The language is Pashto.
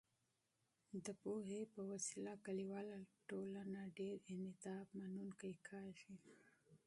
د پوهې په واسطه، کلیواله ټولنه ډیر انعطاف منونکې کېږي.